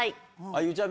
ゆうちゃみ？